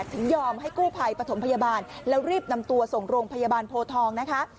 ถึงยอมให้กู้ภัยปฐมพยาบาลแล้วรีบนำตัวส่งโรงพยาบาลโพทองนะคะ